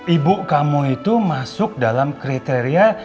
ibu kamu itu masuk dalam kriteria